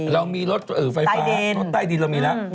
เรามีรถไฟฟ้ารถใต้ดินเรามีแล้ว